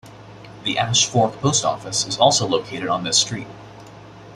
The Ash Fork Post Office is also located on this street.